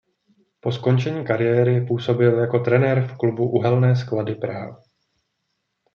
Po skončení kariéry působil jako trenér v klubu Uhelné sklady Praha.